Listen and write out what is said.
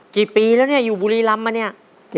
กี่ปีแล้วเนี่ยอยู่บุรีรำมาเนี่ย